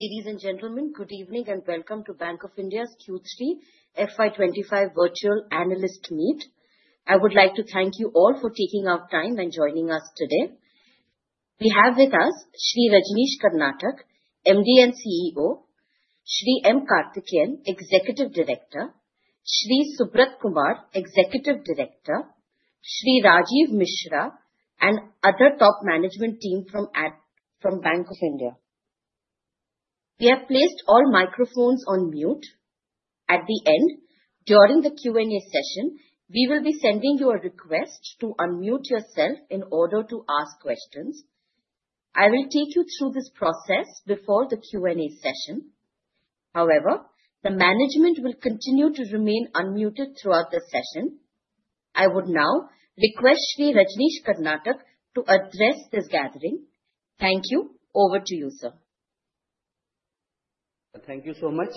Ladies and gentlemen, good evening and welcome to Bank of India's Q3 FY25 Virtual Analyst Meet. I would like to thank you all for taking out time and joining us today. We have with us Sri Rajneesh Karnatak, MD and CEO, Sri M. Karthikeyan, Executive Director, Sri Subrat Kumar, Executive Director, Sri Rajiv Mishra, and other top management team from Bank of India. We have placed all microphones on mute. At the end, during the Q&A session, we will be sending you a request to unmute yourself in order to ask questions. I will take you through this process before the Q&A session. However, the management will continue to remain unmuted throughout the session. I would now request Sri Rajneesh Karnatak to address this gathering. Thank you. Over to you, sir. Thank you so much.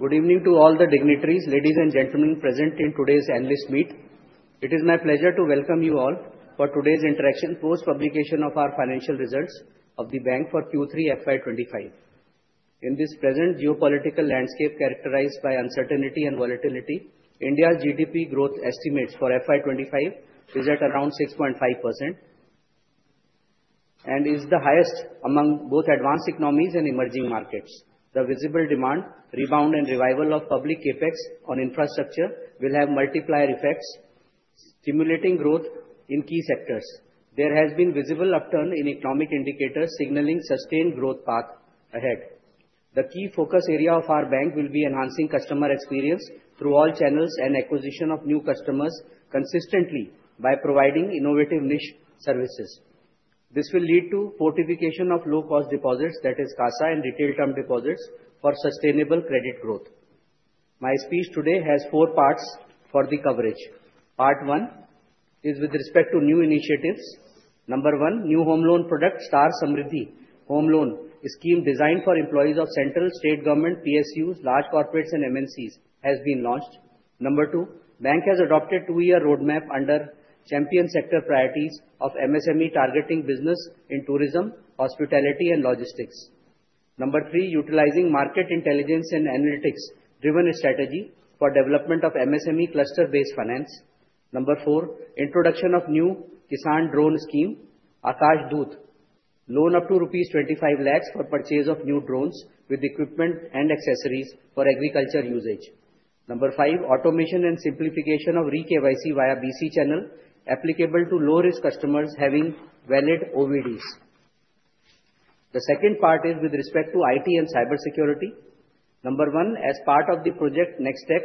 Good evening to all the dignitaries, ladies and gentlemen present in today's analyst meet. It is my pleasure to welcome you all for today's interaction post-publication of our financial results of the bank for Q3 FY25. In this present geopolitical landscape characterized by uncertainty and volatility, India's GDP growth estimates for FY25 is at around 6.5% and is the highest among both advanced economies and emerging markets. The visible demand, rebound, and revival of public capex on infrastructure will have multiplier effects, stimulating growth in key sectors. There has been visible upturn in economic indicators signaling sustained growth path ahead. The key focus area of our bank will be enhancing customer experience through all channels and acquisition of new customers consistently by providing innovative niche services. This will lead to fortification of low-cost deposits, that is, CASA and retail term deposits, for sustainable credit growth. My speech today has four parts for the coverage. Part one is with respect to new initiatives. Number one, new home loan product Star Samriddhi Home Loan Scheme designed for employees of central, state government, PSUs, large corporates, and MNCs has been launched. Number two, bank has adopted a two-year roadmap under champion sector priorities of MSME targeting business in tourism, hospitality, and logistics. Number three, utilizing market intelligence and analytics-driven strategy for development of MSME cluster-based finance. Number four, introduction of new Kisan Drone Scheme, Akash Doot, loan up to Rs 25 lakhs for purchase of new drones with equipment and accessories for agriculture usage. Number five, automation and simplification of re-KYC via BC channel, applicable to low-risk customers having valid OVDs. The second part is with respect to IT and cybersecurity. Number one, as part of the Project Next Tech,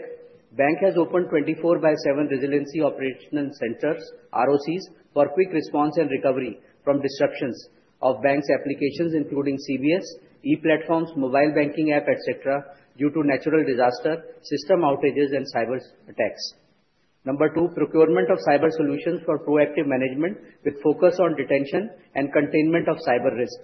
bank has opened 24/7 Resiliency Operations Centers, ROCs, for quick response and recovery from disruptions of bank's applications, including CBS, e-platforms, mobile banking app, etc., due to natural disaster, system outages, and cyber attacks. Number two, procurement of cyber solutions for proactive management with focus on detection and containment of cyber risk.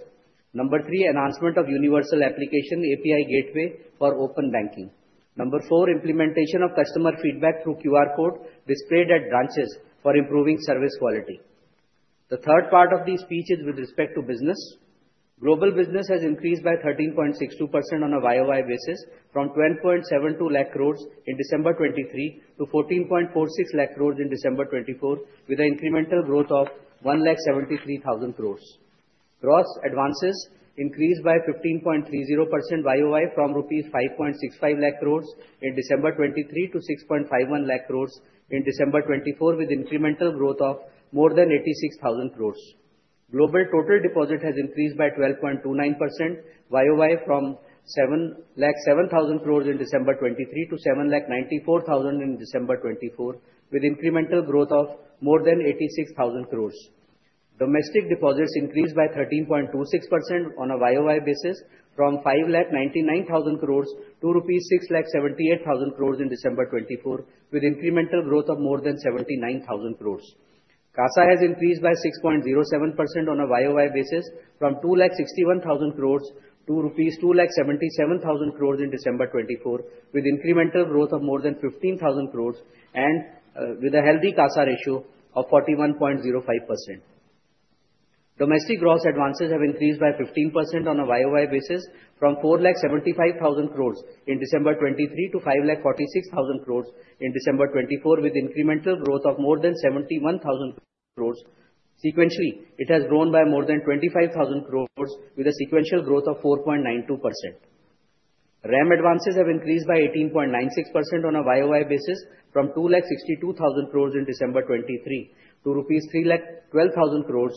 Number three, enhancement of universal application API Gateway for open banking. Number four, implementation of customer feedback through QR code displayed at branches for improving service quality. The third part of the speech is with respect to business. Global business has increased by 13.62% on a YOY basis from 12.72 lakh crores in December 2023 to 14.46 lakh crores in December 2024, with an incremental growth of 173,000 crores. Gross advances increased by 15.30% YOY from rupees 5.65 lakh crores in December 2023 to 6.51 lakh crores in December 2024, with incremental growth of more than 86,000 crores. Global total deposit has increased by 12.29% YOY from 707,000 crores in December 2023 to 794,000 in December 2024, with incremental growth of more than 86,000 crores. Domestic deposits increased by 13.26% on a YOY basis from 599,000 crores-678,000 crores rupees in December 2024, with incremental growth of more than 79,000 crores. CASA has increased by 6.07% on a YOY basis from 261,000 crore- rupees 277,000 crores in December 2024, with incremental growth of more than 15,000 crores and with a healthy CASA ratio of 41.05%. Domestic gross advances have increased by 15% on a YOY basis from 475,000 crores in December 2023 to 546,000 crores in December 2024, with incremental growth of more than 71,000 crores. Sequentially, it has grown by more than 25,000 crores with a sequential growth of 4.92%. RAM advances have increased by 18.96% on a YOY basis from 262,000 crores in December 2023 to Rs 312,000 crores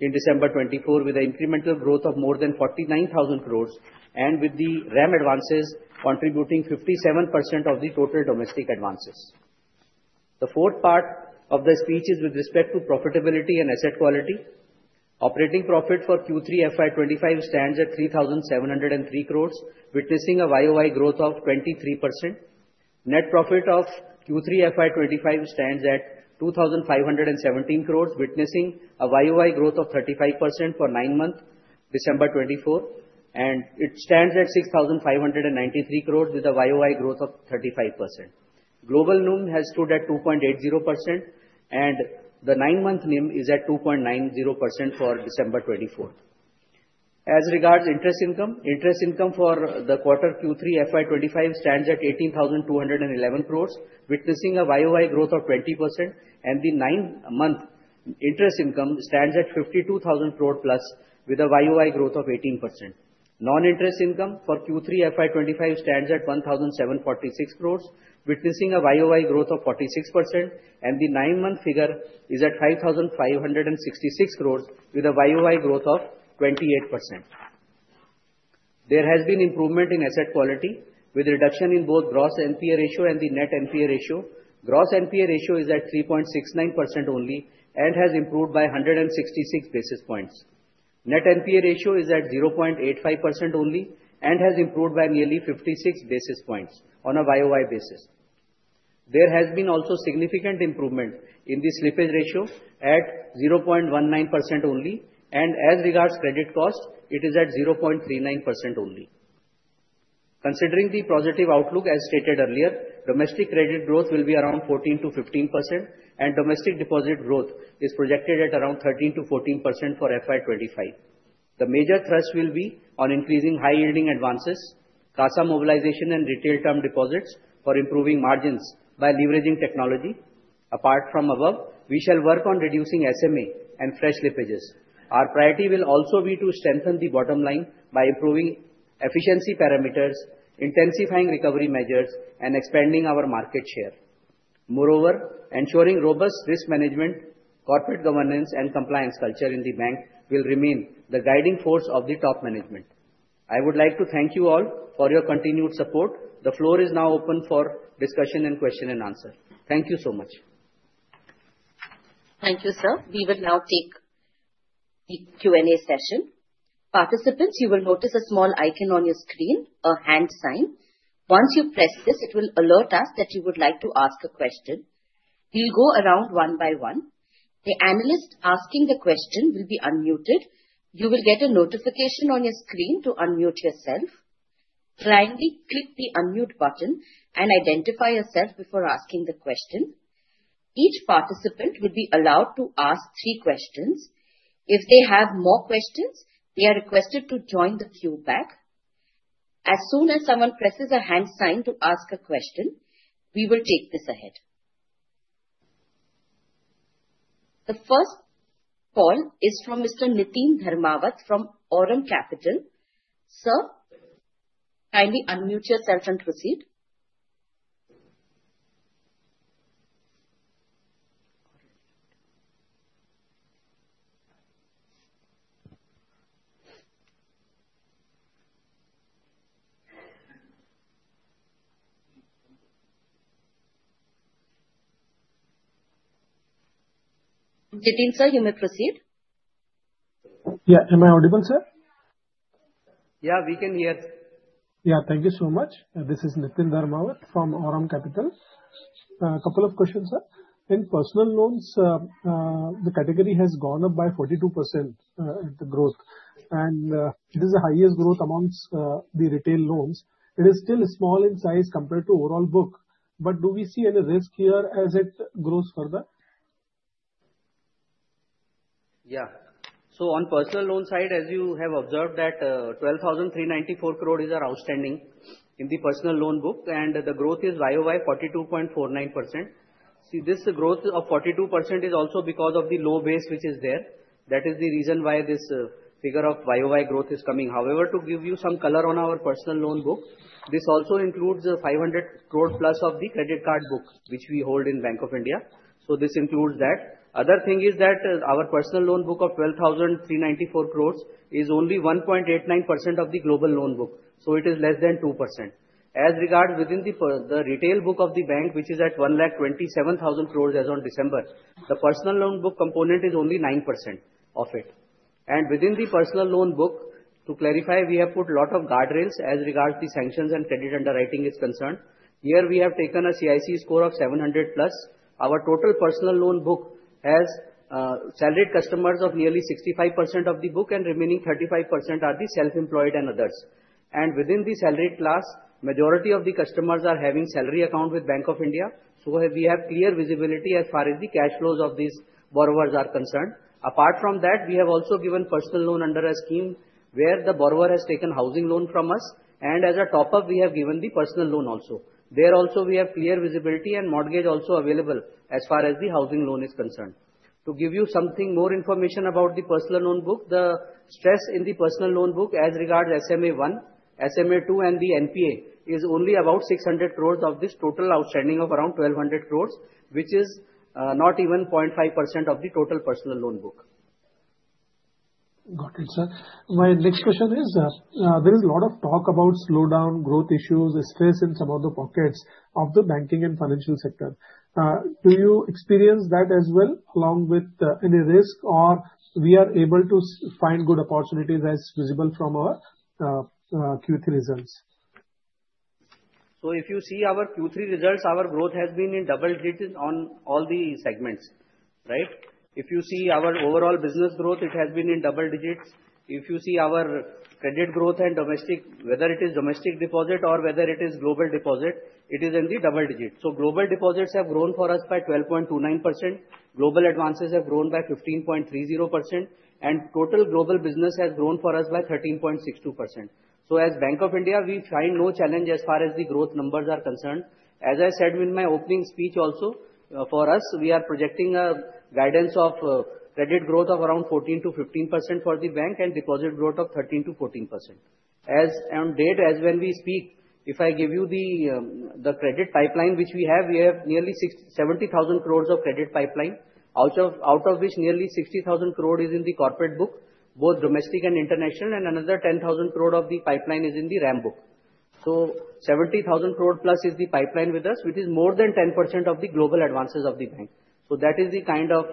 in December 2024, with an incremental growth of more than 49,000 crores and with the RAM advances contributing 57% of the total domestic advances. The fourth part of the speech is with respect to profitability and asset quality. Operating profit for Q3 FY25 stands at 3,703 crores, witnessing a YOY growth of 23%. Net profit of Q3 FY25 stands at 2,517 crores, witnessing a YOY growth of 35% for nine months, December 2024, and it stands at 6,593 crores with a YOY growth of 35%. Global NIM has stood at 2.80%, and the nine-month NIM is at 2.90% for December 2024. As regards interest income, interest income for the quarter Q3 FY25 stands at 18,211 crores, witnessing a YOY growth of 20%, and the nine-month interest income stands at 52,000 crores plus with a YOY growth of 18%. Non-interest income for Q3 FY25 stands at 1,746 crores, witnessing a YOY growth of 46%, and the nine-month figure is at 5,566 crores with a YOY growth of 28%. There has been improvement in asset quality with reduction in both gross NPA ratio and the net NPA ratio. Gross NPA ratio is at 3.69% only and has improved by 166 basis points. Net NPA ratio is at 0.85% only and has improved by nearly 56 basis points on a YOY basis. There has been also significant improvement in the slippage ratio at 0.19% only, and as regards credit cost, it is at 0.39% only. Considering the positive outlook, as stated earlier, domestic credit growth will be around 14%-15%, and domestic deposit growth is projected at around 13%-14% for FY25. The major thrust will be on increasing high-yielding advances, CASA mobilization, and retail term deposits for improving margins by leveraging technology. Apart from above, we shall work on reducing SMA and fresh slippages. Our priority will also be to strengthen the bottom line by improving efficiency parameters, intensifying recovery measures, and expanding our market share. Moreover, ensuring robust risk management, corporate governance, and compliance culture in the bank will remain the guiding force of the top management. I would like to thank you all for your continued support. The floor is now open for discussion and question and answer. Thank you so much. Thank you, sir. We will now take the Q&A session. Participants, you will notice a small icon on your screen, a hand sign. Once you press this, it will alert us that you would like to ask a question. We'll go around one by one. The analyst asking the question will be unmuted. You will get a notification on your screen to unmute yourself. Kindly click the unmute button and identify yourself before asking the question. Each participant will be allowed to ask three questions. If they have more questions, they are requested to join the queue back. As soon as someone presses a hand sign to ask a question, we will take this ahead. The first call is from Mr. Niteen Dharmawat from Aurum Capital. Sir, kindly unmute yourself and proceed. Niteen, sir, you may proceed. Yeah, am I audible, sir? Yeah, we can hear you. Yeah, thank you so much. This is Nitin Dharmawat from Aurum Capital. A couple of questions, sir. In personal loans, the category has gone up by 42% in the growth, and it is the highest growth among the retail loans. It is still small in size compared to overall book. But do we see any risk here as it grows further? Yeah. So on personal loan side, as you have observed, that 12,394 crores is outstanding in the personal loan book, and the growth is YOY 42.49%. See, this growth of 42% is also because of the low base which is there. That is the reason why this figure of YOY growth is coming. However, to give you some color on our personal loan book, this also includes 500 crores plus of the credit card book which we hold in Bank of India. So this includes that. Other thing is that our personal loan book of 12,394 crores is only 1.89% of the global loan book. So it is less than 2%. As regards within the retail book of the bank, which is at 127,000 crores as of December, the personal loan book component is only 9% of it. Within the personal loan book, to clarify, we have put a lot of guardrails as regards the sanctions and credit underwriting is concerned. Here, we have taken a CIC score of 700+. Our total personal loan book has salaried customers of nearly 65% of the book, and remaining 35% are the self-employed and others. And within the salaried class, the majority of the customers are having salary account with Bank of India. So we have clear visibility as far as the cash flows of these borrowers are concerned. Apart from that, we have also given personal loan under a scheme where the borrower has taken housing loan from us, and as a top-up, we have given the personal loan also. There also, we have clear visibility and mortgage also available as far as the housing loan is concerned. To give you something more information about the personal loan book, the stress in the personal loan book as regards SMA 1, SMA 2, and the NPA is only about 600 crores of this total outstanding of around 1,200 crores, which is not even 0.5% of the total personal loan book. Got it, sir. My next question is, there is a lot of talk about slowdown, growth issues, stress in some of the pockets of the banking and financial sector. Do you experience that as well along with any risk, or we are able to find good opportunities as visible from our Q3 results? So if you see our Q3 results, our growth has been in double digits on all the segments, right? If you see our overall business growth, it has been in double digits. If you see our credit growth and domestic, whether it is domestic deposit or whether it is global deposit, it is in the double digits. So global deposits have grown for us by 12.29%. Global advances have grown by 15.30%, and total global business has grown for us by 13.62%. So as Bank of India, we find no challenge as far as the growth numbers are concerned. As I said in my opening speech also, for us, we are projecting a guidance of credit growth of around 14%-15% for the bank and deposit growth of 13%-14%. As on date, as when we speak, if I give you the credit pipeline which we have, we have nearly 70,000 crores of credit pipeline, out of which nearly 60,000 crores is in the corporate book, both domestic and international, and another 10,000 crores of the pipeline is in the RAM book. So 70,000 crores plus is the pipeline with us, which is more than 10% of the global advances of the bank. So that is the kind of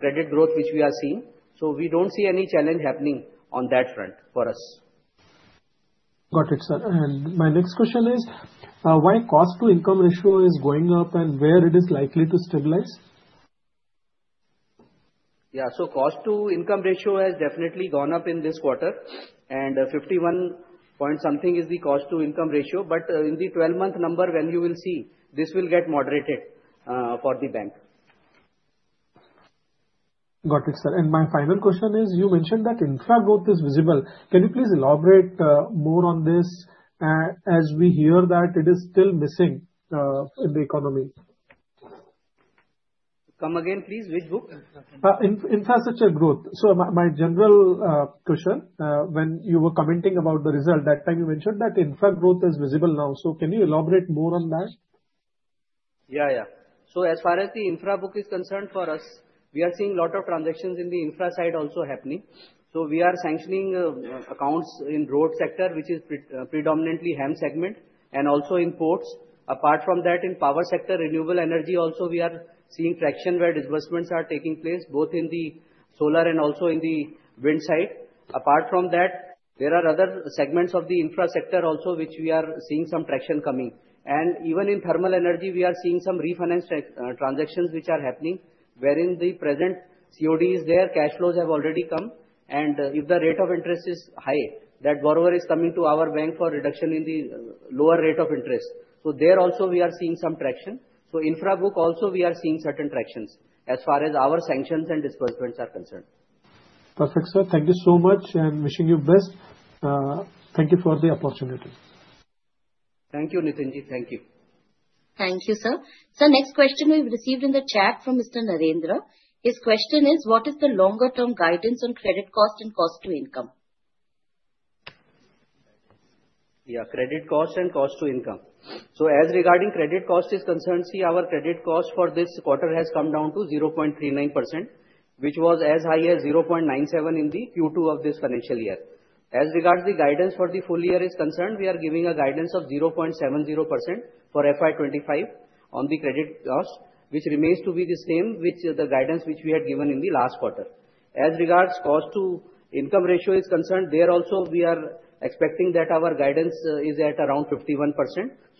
credit growth which we are seeing. So we don't see any challenge happening on that front for us. Got it, sir. And my next question is, why is the cost-to-income ratio going up and where is it likely to stabilize? Yeah, so the cost-to-income ratio has definitely gone up in this quarter, and 51 point something is the cost-to-income ratio. But in the 12-month number, when you will see, this will get moderated for the bank. Got it, sir. And my final question is, you mentioned that infra growth is visible. Can you please elaborate more on this as we hear that it is still missing in the economy? Come again, please. Which book? Infrastructure growth. So my general question, when you were commenting about the result, that time you mentioned that infra growth is visible now. So can you elaborate more on that? Yeah, yeah. So as far as the infra book is concerned for us, we are seeing a lot of transactions in the infra side also happening. So we are sanctioning accounts in the road sector, which is predominantly HAM segment, and also in ports. Apart from that, in the power sector, renewable energy, also we are seeing traction where disbursements are taking place, both in the solar and also in the wind side. Apart from that, there are other segments of the infra sector also which we are seeing some traction coming. And even in thermal energy, we are seeing some refinance transactions which are happening, wherein the present COD is there, cash flows have already come, and if the rate of interest is high, that borrower is coming to our bank for reduction in the lower rate of interest. So there also, we are seeing some traction. So in the infra book also, we are seeing certain tractions as far as our sanctions and disbursements are concerned. Perfect, sir. Thank you so much, and wishing you best. Thank you for the opportunity. Thank you, Niteen Ji. Thank you. Thank you, sir. Sir, next question we've received in the chat from Mr. Narendra. His question is, what is the longer-term guidance on credit cost and cost-to-income? Yeah, credit cost and cost-to-income. So as regarding credit cost is concerned, see, our credit cost for this quarter has come down to 0.39%, which was as high as 0.97% in the Q2 of this financial year. As regards the guidance for the full year is concerned, we are giving a guidance of 0.70% for FY25 on the credit cost, which remains to be the same with the guidance which we had given in the last quarter. As regards to the cost-to-income ratio is concerned, there also, we are expecting that our guidance is at around 51%.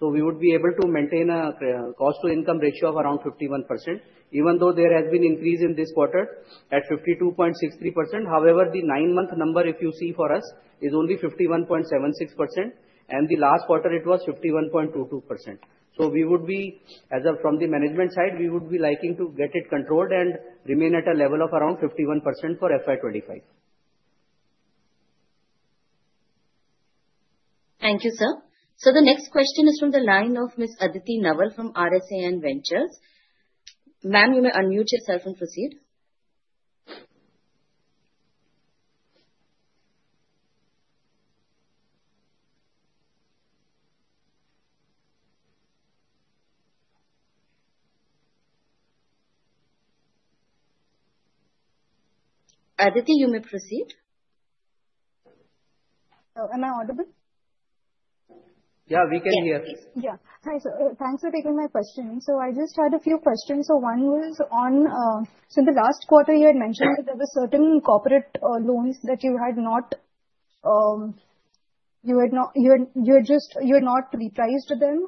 So we would be able to maintain a cost-to-income ratio of around 51%, even though there has been an increase in this quarter at 52.63%. However, the nine-month number, if you see for us, is only 51.76%, and the last quarter, it was 51.22%. We would be, as from the management side, we would be liking to get it controlled and remain at a level of around 51% for FY25. Thank you, sir. So the next question is from the line of Ms. Aditi Naval from RSAN Ventures. Ma'am, you may unmute yourself and proceed. Aditi, you may proceed. Am I audible? Yeah, we can hear you. Yeah. Hi, sir. Thanks for taking my question. So I just had a few questions. So one was on, so in the last quarter, you had mentioned that there were certain corporate loans that you had not repriced them.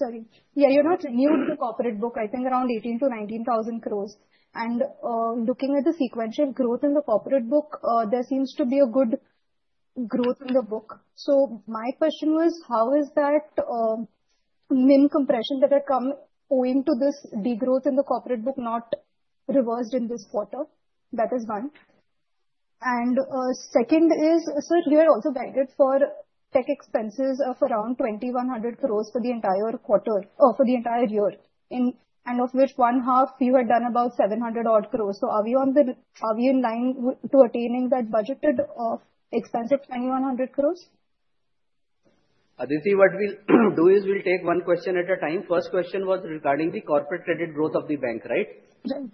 Sorry. Yeah, you had not renewed the corporate book, I think around 18,000-19,000 crores. And looking at the sequential growth in the corporate book, there seems to be a good growth in the book. So my question was, how is that NIM compression that had come owing to this degrowth in the corporate book not reversed in this quarter? That is one. And second is, sir, you had also guided for tech expenses of around 2,100 crores for the entire quarter, for the entire year, and of which one half you had done about 700-odd crores. Are we in line to attaining that budgeted expense of 2,100 crores? Aditi, what we'll do is we'll take one question at a time. First question was regarding the corporate credit growth of the bank, right? Right.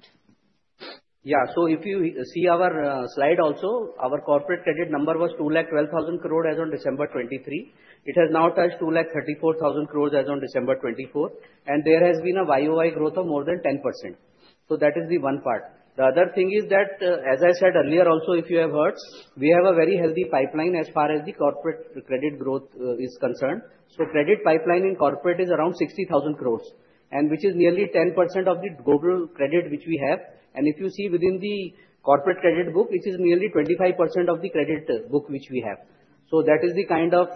Yeah. So if you see our slide also, our corporate credit number was 212,000 crores as of December 2023. It has now touched 234,000 crores as of December 2024. And there has been a YOI growth of more than 10%. So that is the one part. The other thing is that, as I said earlier also, if you have heard, we have a very healthy pipeline as far as the corporate credit growth is concerned. So credit pipeline in corporate is around 60,000 crores, which is nearly 10% of the global credit which we have. And if you see within the corporate credit book, it is nearly 25% of the credit book which we have. So that is the kind of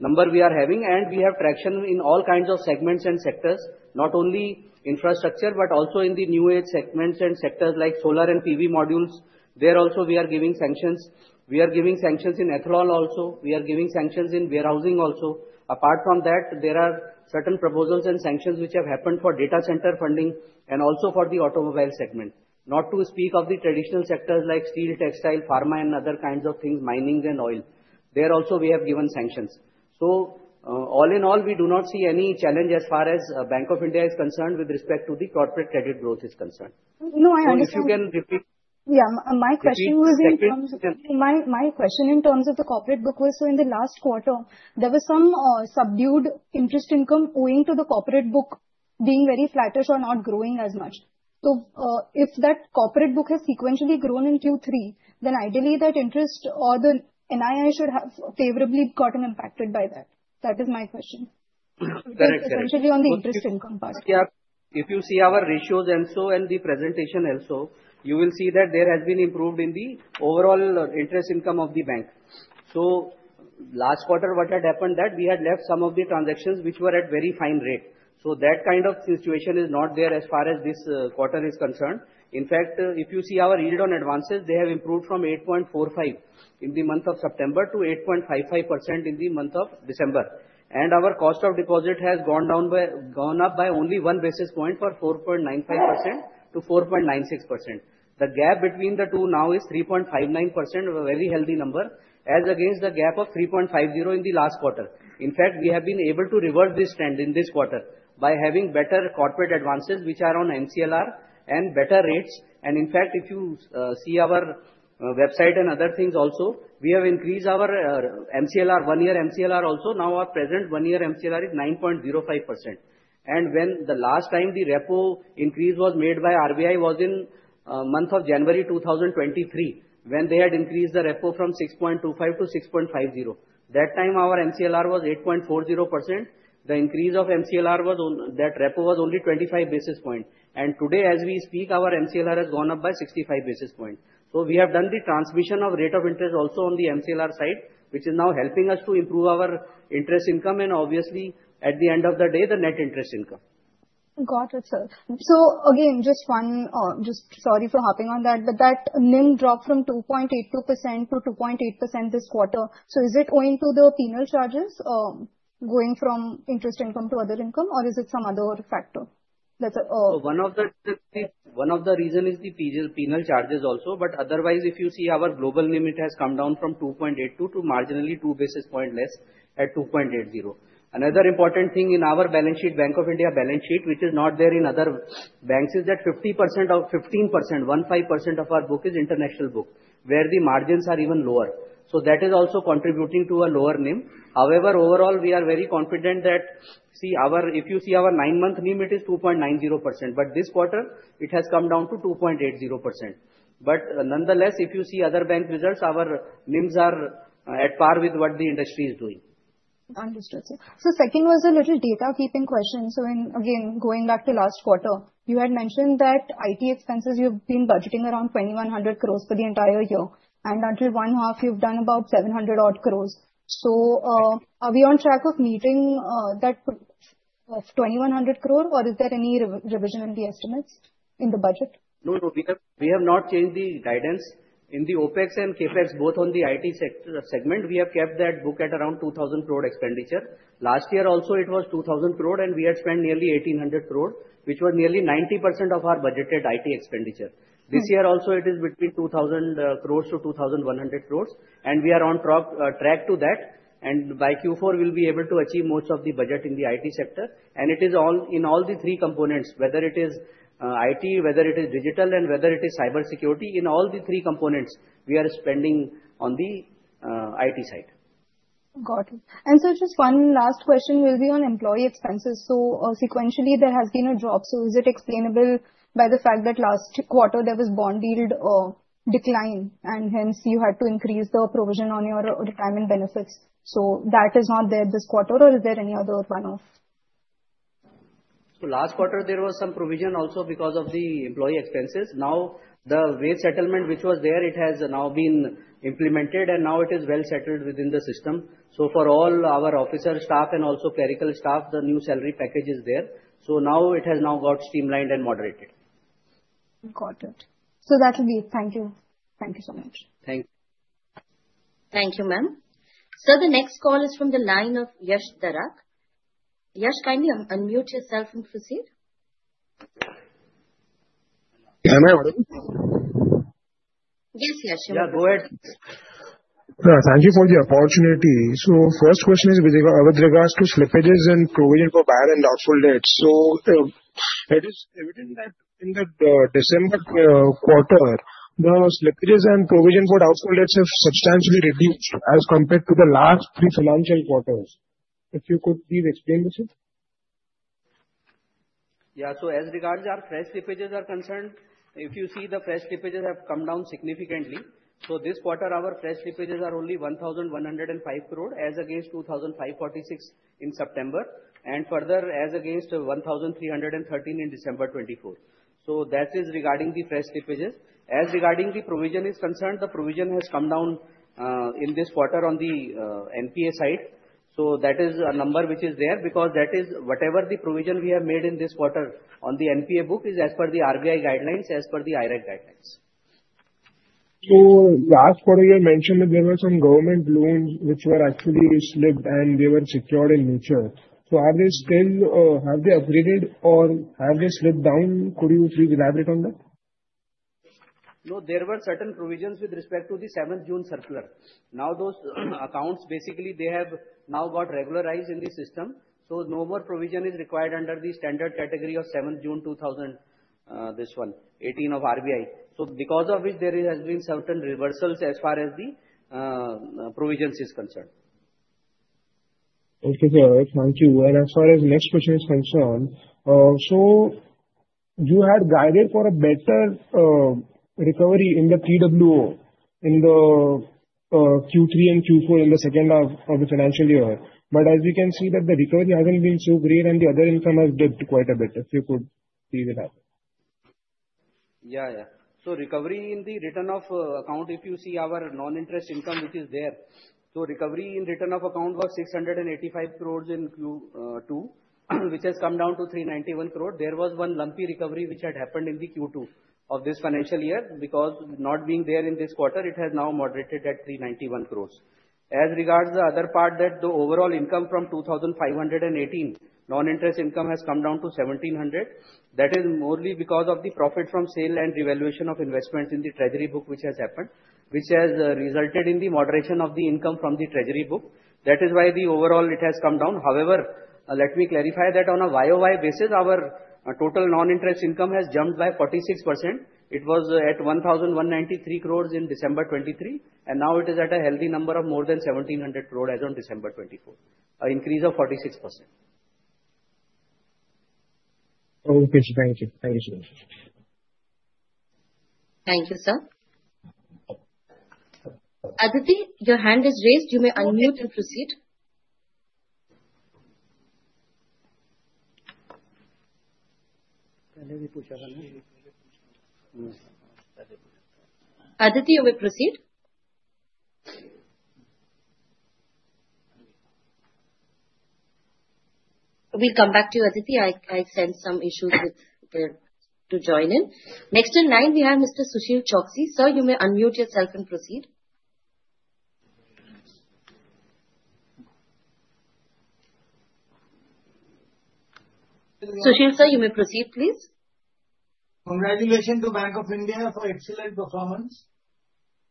number we are having. And we have traction in all kinds of segments and sectors, not only infrastructure, but also in the new age segments and sectors like solar and PV modules. There also, we are giving sanctions. We are giving sanctions in ethanol also. We are giving sanctions in warehousing also. Apart from that, there are certain proposals and sanctions which have happened for data center funding and also for the automobile segment. Not to speak of the traditional sectors like steel, textile, pharma, and other kinds of things, mining and oil. There also, we have given sanctions. So all in all, we do not see any challenge as far as Bank of India is concerned with respect to the corporate credit growth is concerned. No, I understand. If you can repeat. Yeah, my question was in terms of the corporate book was, so in the last quarter, there was some subdued interest income owing to the corporate book being very flattish or not growing as much. So if that corporate book has sequentially grown in Q3, then ideally that interest or the NII should have favorably gotten impacted by that. That is my question. Correct. Sequentially on the interest income part. If you see our ratios and so and the presentation also, you will see that there has been improved in the overall interest income of the bank. So last quarter, what had happened that we had left some of the transactions which were at very fine rate. So that kind of situation is not there as far as this quarter is concerned. In fact, if you see our yield on advances, they have improved from 8.45% in the month of September to 8.55% in the month of December. And our cost of deposit has gone up by only one basis point for 4.95%-4.96%. The gap between the two now is 3.59%, a very healthy number, as against the gap of 3.50% in the last quarter. In fact, we have been able to reverse this trend in this quarter by having better corporate advances which are on MCLR and better rates. And in fact, if you see our website and other things also, we have increased our MCLR, one-year MCLR also. Now our present one-year MCLR is 9.05%. And when the last time the Repo increase was made by RBI was in the month of January 2023, when they had increased the Repo from 6.25%-6.50%. That time, our MCLR was 8.40%. The increase of MCLR was on that Repo was only 25 basis points. And today, as we speak, our MCLR has gone up by 65 basis points. We have done the transmission of rate of interest also on the MCLR side, which is now helping us to improve our interest income and obviously, at the end of the day, the net interest income. Got it, sir. So again, just one, just sorry for hopping on that, but that NIM dropped from 2.82%-2.8% this quarter. So is it owing to the penal charges going from interest income to other income, or is it some other factor? One of the reasons is the penal charges also, but otherwise, if you see our global NIM, it has come down from 2.82% to marginally 2 basis points less at 2.80%. Another important thing in our balance sheet, Bank of India balance sheet, which is not there in other banks, is that 50% of 15%, 15% of our book is international book, where the margins are even lower. So that is also contributing to a lower NIM. However, overall, we are very confident that, see, if you see our nine-month NIM, it is 2.90%, but this quarter, it has come down to 2.80%. But nonetheless, if you see other bank results, our NIMs are at par with what the industry is doing. Understood, sir. So second was a little data keeping question. So again, going back to last quarter, you had mentioned that IT expenses you've been budgeting around 2,100 crores for the entire year, and until one half, you've done about 700-odd crores. So are we on track of meeting that of 2,100 crores, or is there any revision in the estimates in the budget? No, no, we have not changed the guidance. In the OpEx and CapEx, both on the IT segment, we have kept that book at around 2,000 crore expenditure. Last year also, it was 2,000 crore, and we had spent nearly 1,800 crore, which was nearly 90% of our budgeted IT expenditure. This year also, it is between 2,000 crores to 2,100 crores, and we are on track to that, and by Q4, we'll be able to achieve most of the budget in the IT sector, and it is all in all the three components, whether it is IT, whether it is digital, and whether it is cybersecurity. In all the three components, we are spending on the IT side. Got it. And sir, just one last question will be on employee expenses. So sequentially, there has been a drop. So is it explainable by the fact that last quarter there was bond yield decline and hence you had to increase the provision on your retirement benefits? So that is not there this quarter, or is there any other runoff? So last quarter, there was some provision also because of the employee expenses. Now, the wage settlement which was there, it has now been implemented, and now it is well settled within the system. So for all our officer staff and also clerical staff, the new salary package is there. So now it has now got streamlined and moderated. Got it. So that will be it. Thank you. Thank you so much. Thank you. Thank you, ma'am. Sir, the next call is from the line of Yash Dhaduk. Yash, kindly unmute yourself and proceed. Yes, Yash. Yeah, go ahead. Thank you for the opportunity. So first question is with regards to slippages and provision for bad and doubtful debts. So it is evident that in the December quarter, the slippages and provision for doubtful debts have substantially reduced as compared to the last three financial quarters. If you could please explain this too. Yeah, so as regards to our fresh slippages are concerned, if you see the fresh slippages have come down significantly. So this quarter, our fresh slippages are only 1,105 crore as against 2,546 in September, and further as against 1,313 in December 2024. So that is regarding the fresh slippages. As regarding the provision is concerned, the provision has come down in this quarter on the NPA side. So that is a number which is there because that is whatever the provision we have made in this quarter on the NPA book is as per the RBI guidelines, as per the IRAC guidelines. Last quarter, you had mentioned that there were some government loans which were actually slipped and they were secured in nature. Are they still? Have they upgraded or have they slipped down? Could you please elaborate on that? No, there were certain provisions with respect to the 7th June circular. Now those accounts basically they have now got regularized in the system. So no more provision is required under the standard category of 7th June 2012, this one, 18 of RBI. So because of which there has been certain reversals as far as the provisions is concerned. Okay, sir, thank you. And as far as the next question is concerned, so you had guided for a better recovery in the TWO in the Q3 and Q4 in the second half of the financial year. But as we can see that the recovery hasn't been so great and the other income has dipped quite a bit, if you could please elaborate. Yeah, yeah. So recovery in the written-off account, if you see our non-interest income which is there. So recovery in written-off account was 685 crores in Q2, which has come down to 391 crores. There was one lumpy recovery which had happened in the Q2 of this financial year because not being there in this quarter, it has now moderated at 391 crores. As regards the other part, that the overall income from 2,518 crores non-interest income has come down to 1,700 crores. That is mostly because of the profit from sale and revaluation of investments in the treasury book which has happened, which has resulted in the moderation of the income from the treasury book. That is why the overall it has come down. However, let me clarify that on a YoY basis, our total non-interest income has jumped by 46%. It was at 1,193 crores in December 2023, and now it is at a healthy number of more than 1,700 crores as of December 2024, an increase of 46%. Okay, sir, thank you. Thank you, sir. Thank you, sir. Aditi, your hand is raised. You may unmute and proceed. Aditi, you may proceed. We'll come back to you, Aditi. I've sent some invites to join in. Next in line, we have Mr. Sushil Choksey. Sir, you may unmute yourself and proceed. Sushil sir, you may proceed, please. Congratulations to Bank of India for excellent performance.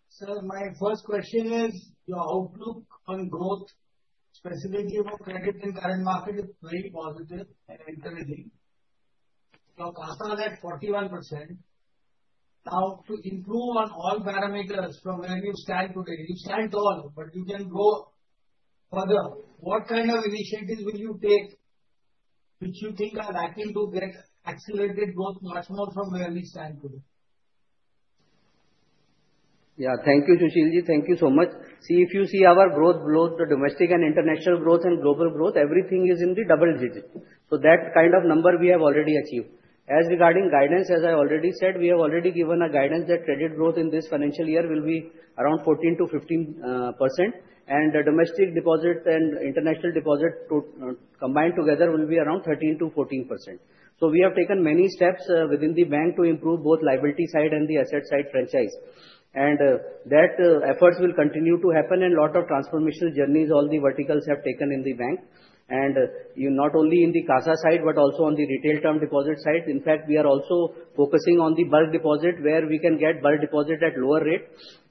Sir, my first question is your outlook on growth, specifically for credit and current market, is very positive and encouraging. Your CASA is at 41%. Now, to improve on all parameters from where you stand today, you stand tall, but you can grow further. What kind of initiatives will you take which you think are likely to get accelerated growth much more from where we stand today? Yeah, thank you, Sushil ji. Thank you so much. See, if you see our growth, both the domestic and international growth and global growth, everything is in the double digit. So that kind of number we have already achieved. As regarding guidance, as I already said, we have already given a guidance that credit growth in this financial year will be around 14%-15%, and domestic deposit and international deposit combined together will be around 13%-14%. So we have taken many steps within the bank to improve both liability side and the asset side franchise. And that efforts will continue to happen and a lot of transformational journeys all the verticals have taken in the bank. And not only in the CASA side, but also on the retail term deposit side. In fact, we are also focusing on the bulk deposit where we can get bulk deposit at lower rate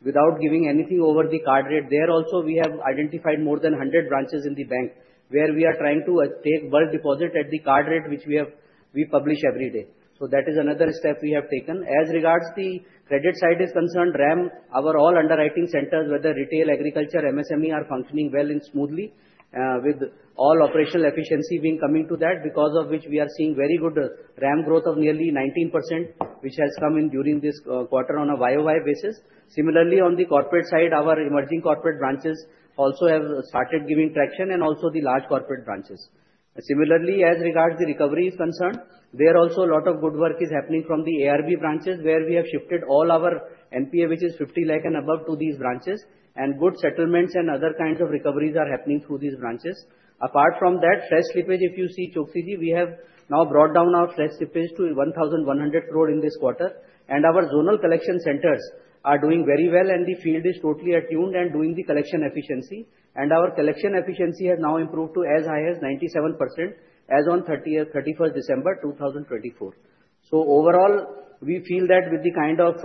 without giving anything over the card rate there. Also, we have identified more than 100 branches in the bank where we are trying to take bulk deposit at the card rate which we publish every day. So that is another step we have taken. As regards to the credit side is concerned, RAM, our all underwriting centers, whether retail, agriculture, MSME, are functioning well and smoothly with all operational efficiency being coming to that, because of which we are seeing very good RAM growth of nearly 19%, which has come in during this quarter on a YOI basis. Similarly, on the corporate side, our emerging corporate branches also have started giving traction and also the large corporate branches. Similarly, as regards to the recovery is concerned, there also a lot of good work is happening from the ARB branches where we have shifted all our NPA, which is 50 lakh and above, to these branches, and good settlements and other kinds of recoveries are happening through these branches. Apart from that, fresh slippage, if you see, Choksey ji, we have now brought down our fresh slippage to 1,100 crore in this quarter, and our zonal collection centers are doing very well, and the field is totally attuned and doing the collection efficiency, and our collection efficiency has now improved to as high as 97% as on 31st December 2024. So overall, we feel that with the kind of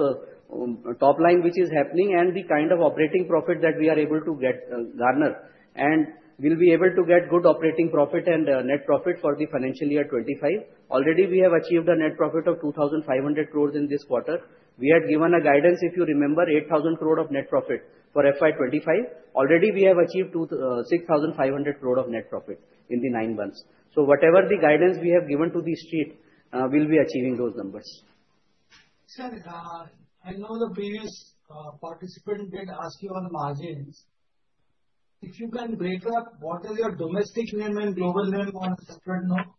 top line which is happening and the kind of operating profit that we are able to garner, and we'll be able to get good operating profit and net profit for the financial year 25. Already, we have achieved a net profit of 2,500 crores in this quarter. We had given a guidance, if you remember, 8,000 crore of net profit for FY 25. Already, we have achieved 6,500 crore of net profit in the nine months. So whatever the guidance we have given to the street will be achieving those numbers. Sir, I know the previous participant did ask you on margins. If you can break up, what is your domestic NIM and global NIM on a separate note?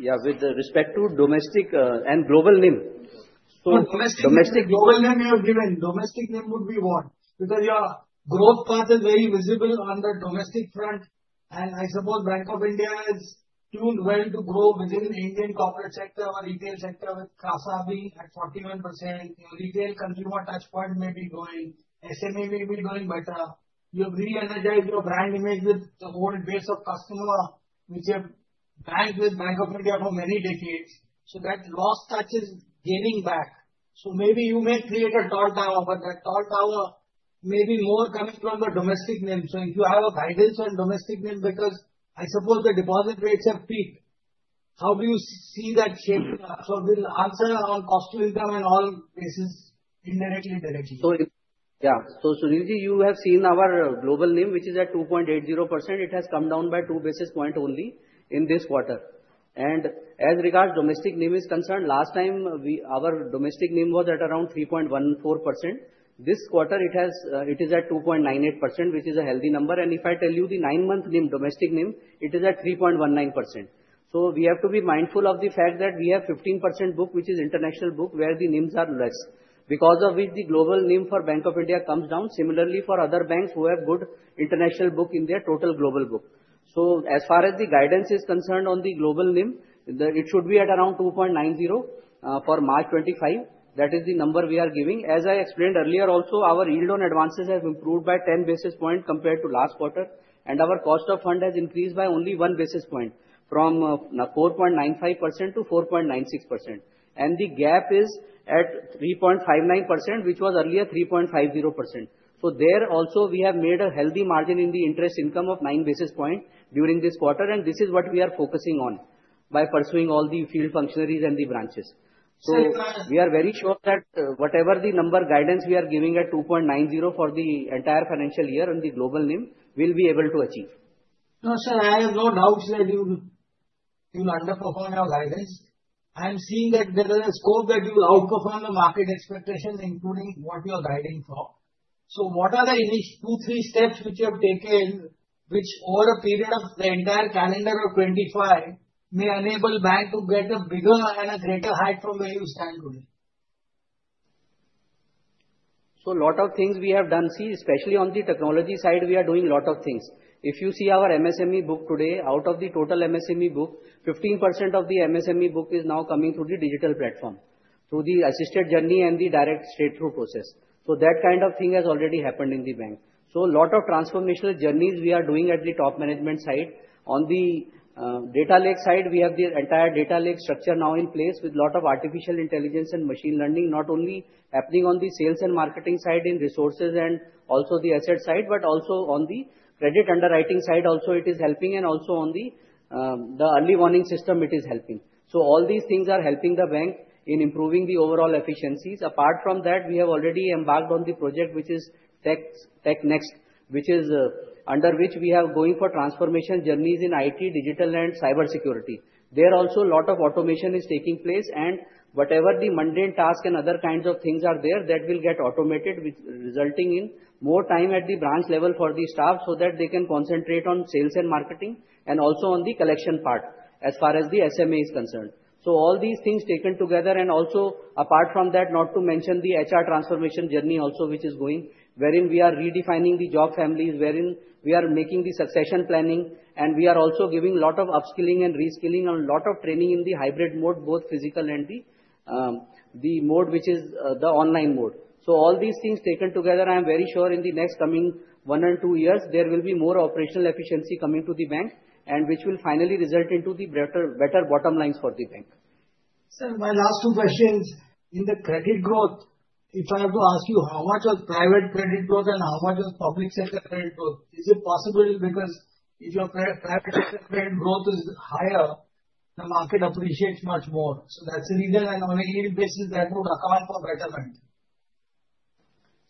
Yeah, with respect to domestic and global NIM. Domestic NIM, global NIM, you have given. Domestic NIM would be what? Because your growth path is very visible on the domestic front, and I suppose Bank of India is tuned well to grow within the Indian corporate sector or retail sector with CASA being at 41%. Your retail consumer touchpoint may be growing. SME may be growing better. You have re-energized your brand image with the old base of customer which you have banked with Bank of India for many decades. So that lost touch is gaining back. So maybe you may create a tall tower where that tall tower may be more coming from the domestic NIM. So if you have a guidance on domestic NIM, because I suppose the deposit rates have peaked, how do you see that shaping up? So we'll answer on cost to income and all bases indirectly, directly. So, yeah, so Sushil ji, you have seen our global NIM, which is at 2.80%. It has come down by two basis points only in this quarter. And as regards to domestic NIM is concerned, last time our domestic NIM was at around 3.14%. This quarter, it is at 2.98%, which is a healthy number. And if I tell you the nine-month NIM, domestic NIM, it is at 3.19%. So we have to be mindful of the fact that we have 15% book, which is international book, where the NIMs are less, because of which the global NIM for Bank of India comes down. Similarly, for other banks who have good international book in their total global book. So as far as the guidance is concerned on the global NIM, it should be at around 2.90% for March 2025. That is the number we are giving. As I explained earlier, also, our yield on advances has improved by 10 basis points compared to last quarter, and our cost of fund has increased by only one basis point from 4.95%-4.96%. And the gap is at 3.59%, which was earlier 3.50%. So there also, we have made a healthy margin in the interest income of nine basis points during this quarter, and this is what we are focusing on by pursuing all the field functionaries and the branches. So we are very sure that whatever the number guidance we are giving at 2.90 for the entire financial year on the global NIM, we'll be able to achieve. No, sir, I have no doubts that you will underperform your guidance. I am seeing that there is a scope that you will outperform the market expectation, including what you are guiding for. So what are the two, three steps which you have taken which over a period of the entire calendar of 2025 may enable Bank to get a bigger and a greater height from where you stand today? So a lot of things we have done, see, especially on the technology side, we are doing a lot of things. If you see our MSME book today, out of the total MSME book, 15% of the MSME book is now coming through the digital platform, through the assisted journey and the direct straight-through process. So that kind of thing has already happened in the bank. So a lot of transformational journeys we are doing at the top management side. On the data lake side, we have the entire data lake structure now in place with a lot of artificial intelligence and machine learning, not only happening on the sales and marketing side in resources and also the asset side, but also on the credit underwriting side. Also, it is helping, and also on the early warning system, it is helping. So all these things are helping the bank in improving the overall efficiencies. Apart from that, we have already embarked on the project which is Project Next Tech, which is under which we are going for transformation journeys in IT, digital, and cybersecurity. There also, a lot of automation is taking place, and whatever the mundane tasks and other kinds of things are there, that will get automated, resulting in more time at the branch level for the staff so that they can concentrate on sales and marketing and also on the collection part as far as the SME is concerned. So all these things taken together, and also apart from that, not to mention the HR transformation journey also, which is going, wherein we are redefining the job families, wherein we are making the succession planning, and we are also giving a lot of upskilling and reskilling and a lot of training in the hybrid mode, both physical and the mode which is the online mode. So all these things taken together, I am very sure in the next coming one and two years, there will be more operational efficiency coming to the bank, and which will finally result into the better bottom lines for the bank. Sir, my last two questions. In the credit growth, if I have to ask you, how much was private credit growth and how much was public sector credit growth? Is it possible because if your private sector credit growth is higher, the market appreciates much more? So that's the reason I know on a yearly basis that would account for betterment.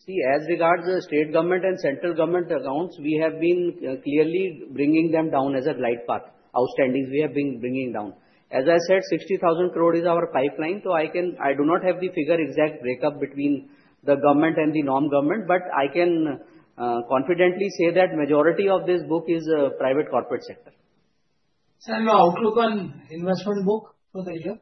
See, as regards to the state government and central government accounts, we have been clearly bringing them down as a glide path. Outstandings we have been bringing down. As I said, 60,000 crore is our pipeline, so I do not have the figure exact breakup between the government and the non-government, but I can confidently say that majority of this book is private corporate sector. Sir, your outlook on investment book for the year?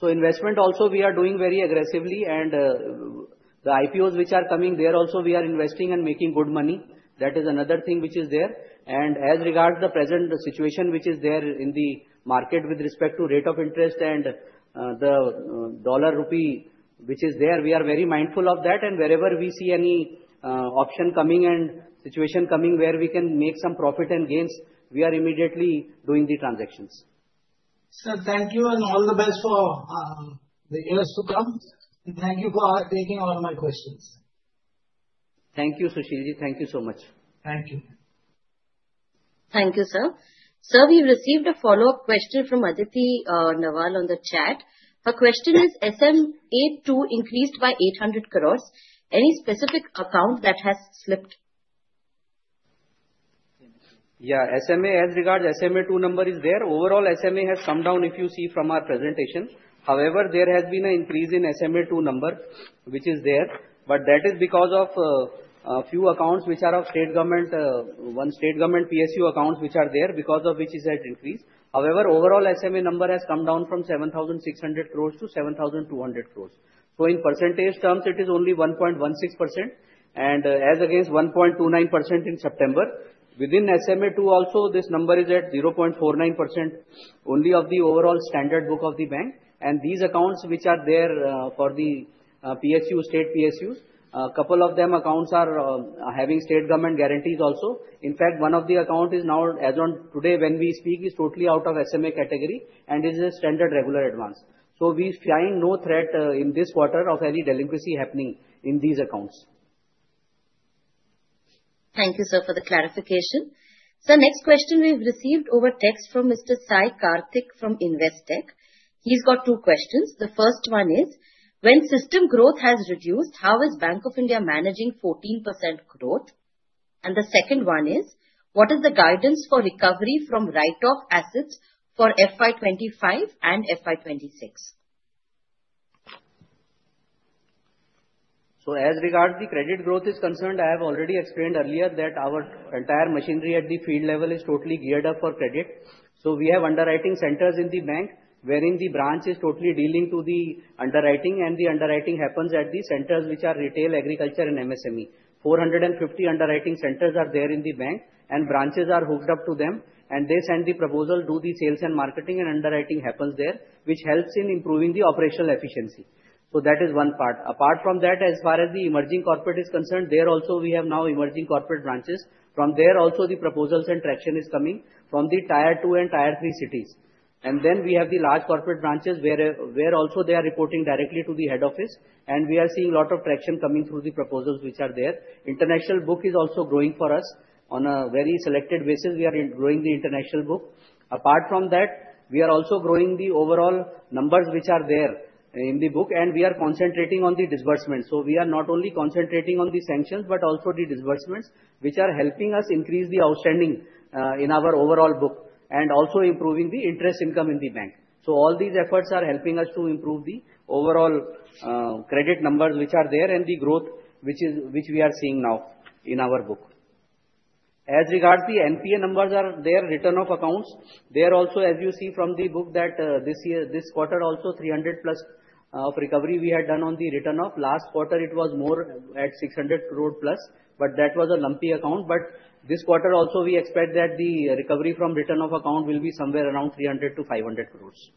So investment also we are doing very aggressively, and the IPOs which are coming there also we are investing and making good money. That is another thing which is there. And as regards the present situation which is there in the market with respect to rate of interest and the dollar rupee which is there, we are very mindful of that. And wherever we see any option coming and situation coming where we can make some profit and gains, we are immediately doing the transactions. Sir, thank you and all the best for the years to come. Thank you for taking all my questions. Thank you, Sushil ji. Thank you so much. Thank you. Thank you, sir. Sir, we received a follow-up question from Aditi Naval on the chat. Her question is, SMA2 increased by 800 crores. Any specific account that has slipped? Yeah, SMA, as regards SMA2 number is there. Overall, SMA has come down if you see from our presentation. However, there has been an increase in SMA2 number which is there, but that is because of a few accounts which are of state government, one state government PSU accounts which are there because of which it has increased. However, overall, SMA number has come down from 7,600 crores-7,200 crores. So in percentage terms, it is only 1.16%, and as against 1.29% in September. Within SMA2 also, this number is at 0.49% only of the overall standard book of the bank. And these accounts which are there for the PSU, state PSUs, a couple of them accounts are having state government guarantees also. In fact, one of the accounts is now, as of today when we speak, is totally out of SMA category and is a standard regular advance. We find no threat in this quarter of any delinquency happening in these accounts. Thank you, sir, for the clarification. Sir, next question we've received over text from Mr. Sai Karthik from Investec. He's got two questions. The first one is, when system growth has reduced, how is Bank of India managing 14% growth? And the second one is, what is the guidance for recovery from write-off assets for FY 25 and FY 26? So as regards the credit growth is concerned, I have already explained earlier that our entire machinery at the field level is totally geared up for credit. So we have underwriting centers in the bank wherein the branch is totally dealing to the underwriting, and the underwriting happens at the centers which are retail, agriculture, and MSME. 450 underwriting centers are there in the bank, and branches are hooked up to them, and they send the proposal to the sales and marketing, and underwriting happens there, which helps in improving the operational efficiency. So that is one part. Apart from that, as far as the emerging corporate is concerned, there also we have now emerging corporate branches. From there also, the proposals and traction is coming from the tier two and tier three cities. We have the large corporate branches where also they are reporting directly to the head office, and we are seeing a lot of traction coming through the proposals which are there. International book is also growing for us. On a very selected basis, we are growing the international book. Apart from that, we are also growing the overall numbers which are there in the book, and we are concentrating on the disbursements. So we are not only concentrating on the sanctions, but also the disbursements which are helping us increase the outstanding in our overall book and also improving the interest income in the bank. So all these efforts are helping us to improve the overall credit numbers which are there and the growth which we are seeing now in our book. As regards the NPA numbers there, written- off account, there also, as you see from the book, that this quarter also 300-plus of recovery we had done on the return of last quarter, it was more at 600 crore plus, but that was a lumpy account. But this quarter also, we expect that the recovery from written- off account will be somewhere around 300-500 crores.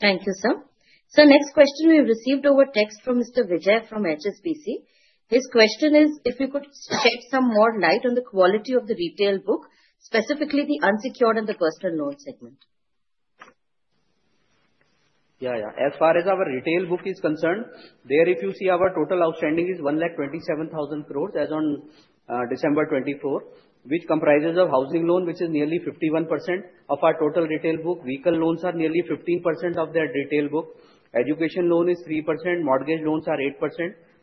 Thank you, sir. Sir, next question we've received over text from Mr. Vijay from HSBC. His question is, if we could shed some more light on the quality of the retail book, specifically the unsecured and the personal loan segment. Yeah, yeah. As far as our retail book is concerned, there, if you see, our total outstanding is 127,000 crores as on December 24th, which comprises of housing loan, which is nearly 51% of our total retail book. Vehicle loans are nearly 15% of that retail book. Education loan is 3%. Mortgage loans are 8%.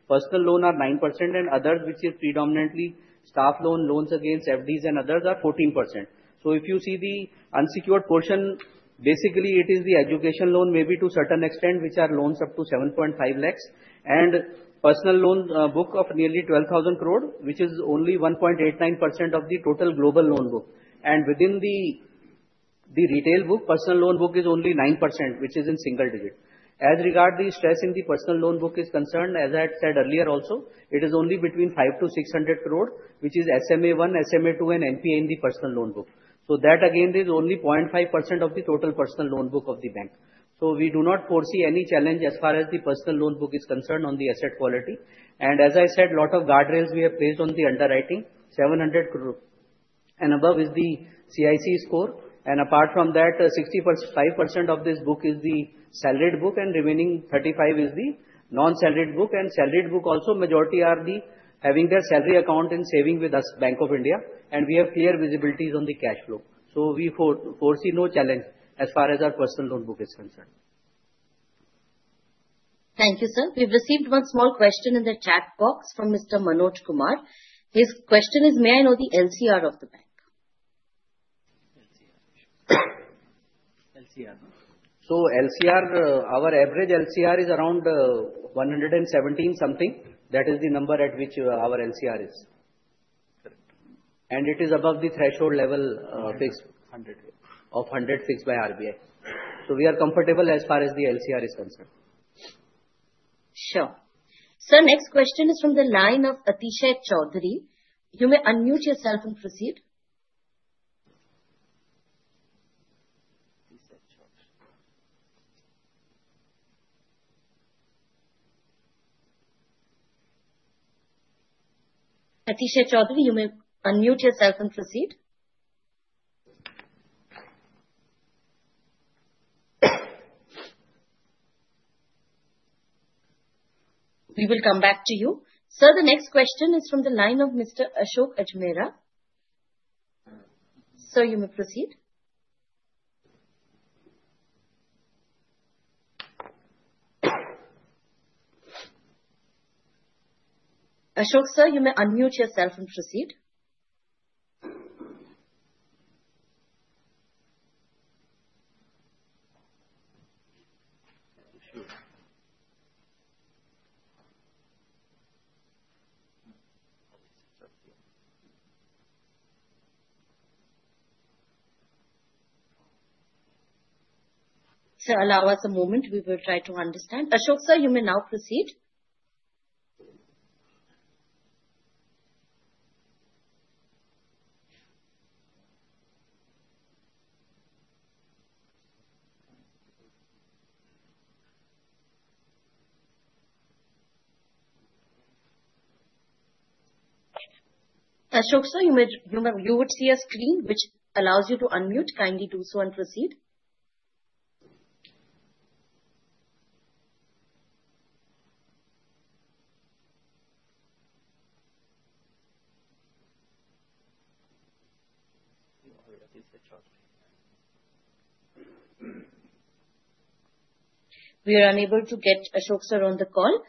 Personal loan are 9%, and others, which is predominantly staff loan, loans against FDs and others are 14%. So if you see the unsecured portion, basically it is the education loan maybe to a certain extent, which are loans up to 7.5 lakhs, and personal loan book of nearly 12,000 crore, which is only 1.89% of the total global loan book. And within the retail book, personal loan book is only 9%, which is in single digit. As regards the stress in the personal loan book is concerned, as I had said earlier also, it is only between 500-600 crore, which is SMA1, SMA2, and NPA in the personal loan book. So that again is only 0.5% of the total personal loan book of the bank. So we do not foresee any challenge as far as the personal loan book is concerned on the asset quality. And as I said, a lot of guardrails we have placed on the underwriting. 700 crore and above is the CIC score. And apart from that, 65% of this book is the salaried book, and remaining 35% is the non-salaried book. And salaried book also, majority are the having their salary account and saving with us, Bank of India, and we have clear visibilities on the cash flow. So we foresee no challenge as far as our personal loan book is concerned. Thank you, sir. We've received one small question in the chat box from B. Manoj Kumar. His question is, May I know the LCR of the bank? So LCR, our average LCR is around 117 something. That is the number at which our LCR is. And it is above the threshold level fixed of 100 fixed by RBI. So we are comfortable as far as the LCR is concerned. Sure. Sir, next question is from the line of Atish Choudhury. You may unmute yourself and proceed. Atish Choudhury, you may unmute yourself and proceed. We will come back to you. Sir, the next question is from the line of Mr. Ashok Ajmera. Sir, you may proceed. Ashok sir, you may unmute yourself and proceed. Sir, allow us a moment. We will try to understand. Ashok sir, you may now proceed. Ashok sir, you would see a screen which allows you to unmute. Kindly do so and proceed. We are unable to get Ashok sir on the call.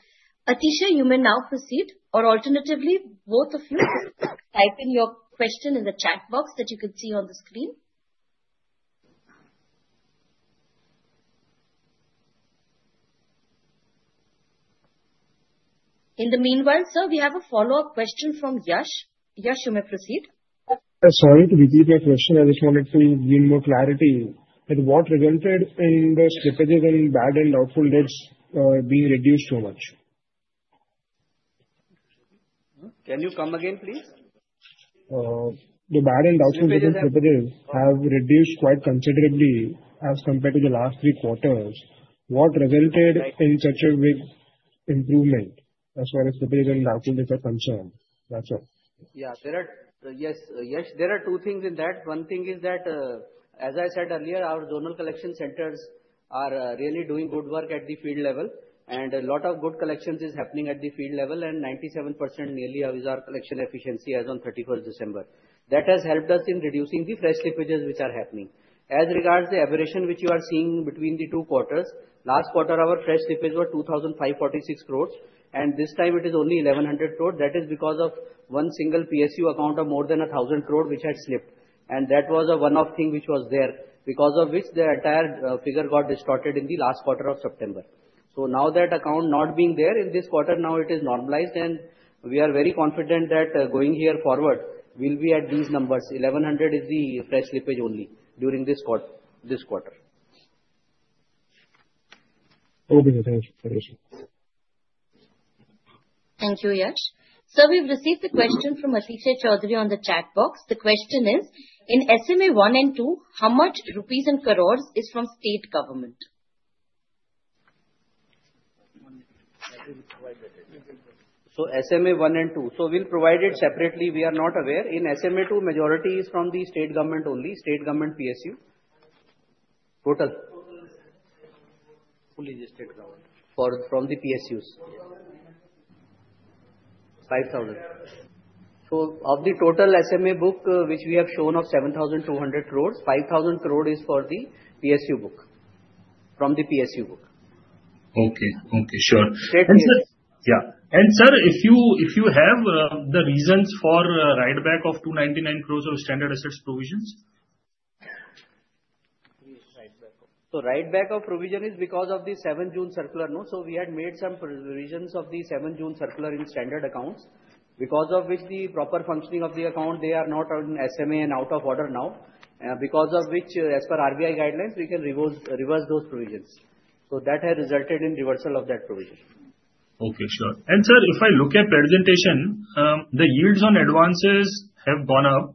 Atish, you may now proceed. Or alternatively, both of you type in your question in the chat box that you can see on the screen. In the meanwhile, sir, we have a follow-up question from Yash. Yash, you may proceed. Sorry to repeat your question. I just wanted to gain more clarity. What resulted in the slippages and bad and doubtful debts being reduced so much? Can you come again, please? The bad and doubtful debt slippages have reduced quite considerably as compared to the last three quarters. What resulted in such a big improvement as far as slippages and doubtful debts are concerned? That's all. Yeah, there are two things in that. One thing is that, as I said earlier, our zonal collection centers are really doing good work at the field level, and a lot of good collections is happening at the field level, and 97% nearly is our collection efficiency as on 31st December. That has helped us in reducing the fresh slippages which are happening. As regards the aberration which you are seeing between the two quarters, last quarter our fresh slippage was 2,546 crores, and this time it is only 1,100 crores. That is because of one single PSU account of more than 1,000 crores which had slipped, and that was a one-off thing which was there, because of which the entire figure got distorted in the last quarter of September. Now that account not being there in this quarter, now it is normalized, and we are very confident that going forward we'll be at these numbers. 1,100 is the fresh slippage only during this quarter. Thank you, Yash. Sir, we've received the question from Atish Choudhury on the chat box. The question is, in SMA1 and 2, how much rupees and crores is from state government? SMA 1 and 2, so we'll provide it separately. We are not aware. In SMA 2, majority is from the state government only, state government PSU. Total? Fully the state government. From the PSUs, 5,000 crores. So of the total SMA book which we have shown of 7,200 crores, 5,000 crores is for the PSU book. From the PSU book. Okay, okay. Sure. And sir, if you have the reasons for write-back of 299 crore of standard assets provisions? Write-back of provision is because of the 7th June circular note. We had made some provisions of the 7th June circular in standard accounts. Because of which the proper functioning of the account, they are not on SMA and out of order now. Because of which, as per RBI guidelines, we can reverse those provisions. That has resulted in reversal of that provision. Okay, sure. And sir, if I look at presentation, the yields on advances have gone up.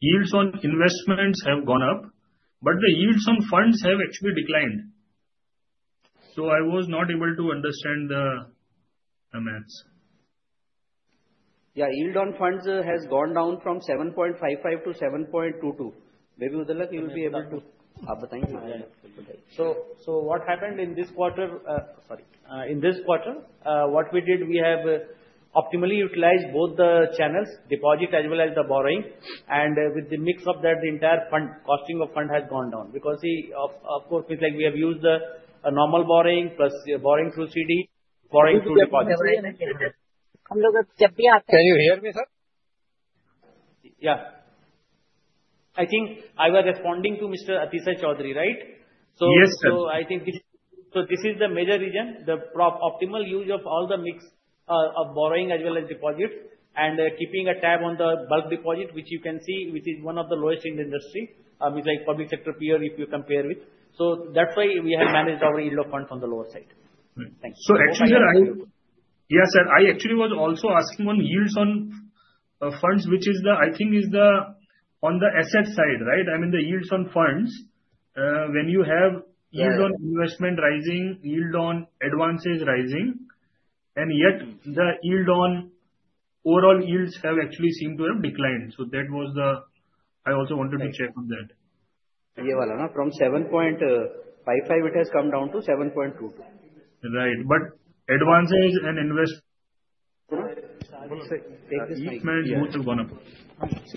Yields on investments have gone up, but the yields on funds have actually declined. So I was not able to understand the math. Yeah, yield on funds has gone down from 7.55-7.22. Maybe, Uddalak, you will be able to. Okay. So what happened in this quarter? Sorry. In this quarter, what we did, we have optimally utilized both the channels, deposit as well as the borrowing, and with the mix of that, the entire cost of funds has gone down. Because of course, it's like we have used the normal borrowing plus borrowing through CD, borrowing through deposits. Can you hear me, sir? Yeah. I think I was responding to Mr. Atish Choudhury, right? Yes, sir. So I think this is the major reason. The optimal use of all the mix of borrowing as well as deposit and keeping a tab on the bulk deposit, which you can see, which is one of the lowest in the industry, meaning like public sector peers if you compare with. So that's why we have managed our cost of funds on the lower side. So, actually, sir, I actually was also asking on yields on funds, which I think is on the asset side, right? I mean, the yields on funds, when you have yield on investment rising, yield on advances rising, and yet the yield on overall yields have actually seemed to have declined. So that was the. I also wanted to check on that. Yeah, from 7.55, it has come down to 7.22. Right, but advances and investment. Take this mic.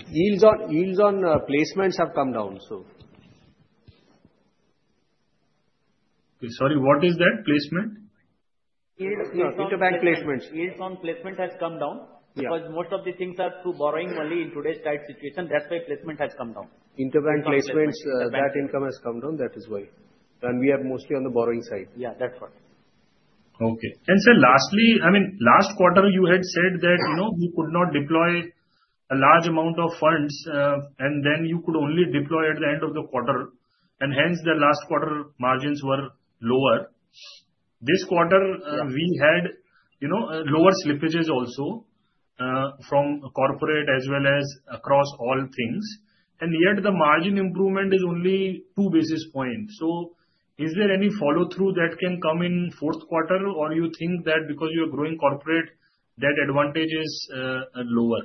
Yields on placements have come down, so. Sorry, what is that placement? Interbank placements. Yields on placements has come down because most of the things are through borrowing only in today's tight situation. That's why placement has come down. Interbank placements, that income has come down. That is why, and we are mostly on the borrowing side. Yeah, that's what. Okay. And sir, lastly, I mean, last quarter, you had said that you could not deploy a large amount of funds, and then you could only deploy at the end of the quarter. And hence, the last quarter margins were lower. This quarter, we had lower slippages also from corporate as well as across all things. And yet, the margin improvement is only two basis points. So is there any follow-through that can come in fourth quarter, or you think that because you are growing corporate, that advantage is lower?